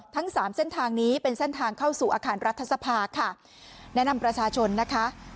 ทั้งสามเส้นทางนี้เป็นเส้นทางเข้าสู่อาคารรัฐสภาค่ะแนะนำประชาชนนะคะ